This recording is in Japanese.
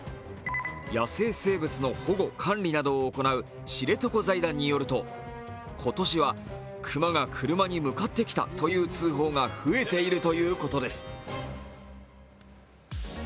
野生生物の保護・管理などを行う知床財団によると今年は熊が車に向かってきたという通報が増えているということです。